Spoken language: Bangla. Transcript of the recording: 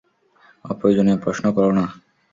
অপ্রয়োজনীয় প্রশ্ন করো না।